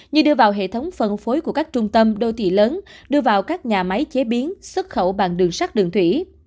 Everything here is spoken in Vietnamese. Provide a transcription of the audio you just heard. như đưa vào hệ thống phân phối của các trung tâm đô thị lớn đưa vào các nhà máy chế biến xuất khẩu bằng đường sắt đường thủy